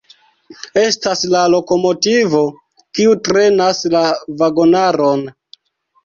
Estas la lokomotivo, kiu trenas la vagonaron.